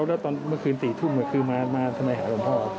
แล้วตอนเมื่อคืน๔ทุ่มคือมาทำไมหาหลวงพ่อ